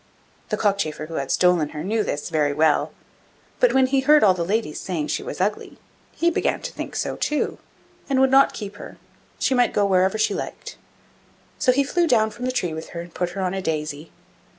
The cockchafer who had stolen her knew this very well; but when he heard all the ladies saying she was ugly, he began to think so too, and would not keep her; she might go wherever she liked. So he flew down from the tree with her and put her on a daisy.